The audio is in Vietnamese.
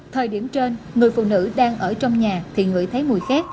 thời điểm trên người phụ nữ đang ở trong nhà thì ngựa thấy mùi khét